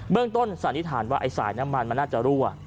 ต้นสันนิษฐานว่าไอ้สายน้ำมันมันน่าจะรั่ว